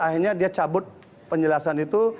akhirnya dia cabut penjelasan itu